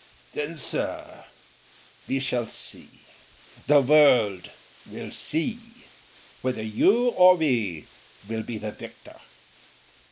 "Then, sir, we shall see — ^the world will see — ^whether you or we will be the victor.